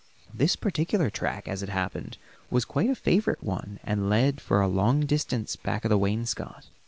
This particular track, as it happened, was quite a favorite one and led for a long distance back of the wainscot.